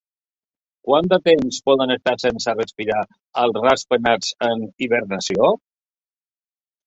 Quant de temps poden estar sense respirar els ratpenats en hibernació?